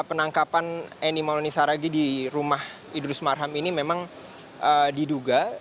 penangkapan eni mauloni saragi di rumah idrus marham ini memang diduga